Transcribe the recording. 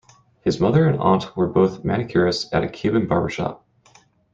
His mother and aunt were both manicurists in a Cuban barbershop.